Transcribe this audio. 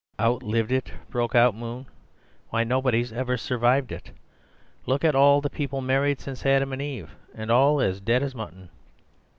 "Outlived it?" broke out Moon; "why, nobody's ever survived it! Look at all the people married since Adam and Eve—and all as dead as mutton."